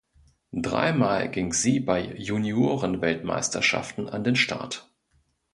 Dreimal ging sie bei Juniorenweltmeisterschaften an den Start.